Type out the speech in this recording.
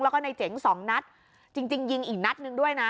แล้วก็ในเจ๋งสองนัดจริงจริงยิงอีกนัดหนึ่งด้วยนะ